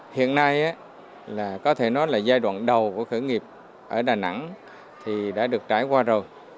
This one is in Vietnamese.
hiện nay là có thể nói là giai đoạn đầu của khởi nghiệp ở đà nẵng thì đã được trải qua rồi